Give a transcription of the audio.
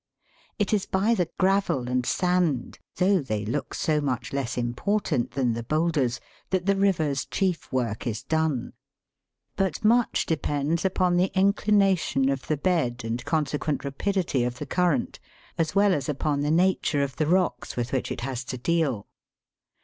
It is by the gravel and sand, though they look so much less important than the boulders, that the river's chief work is done ; but much depends upon the inclination of the bed E 50 THE WORLD'S LUMBER ROOM. and consequent rapidity of the current, as well as upon the nature of the rocks with which it has to deal.